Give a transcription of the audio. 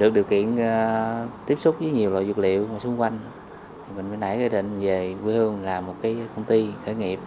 được điều kiện tiếp xúc với nhiều loại dược liệu xung quanh mình mới nãy quyết định về quy hương làm một công ty khởi nghiệp